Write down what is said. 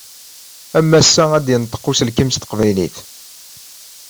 Am wassa ad d-inṭeq uselkim s teqbaylit.